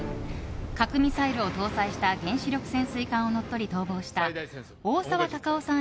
核ミサイルを搭載した原子力潜水艦を乗っ取り逃亡した大沢たかおさん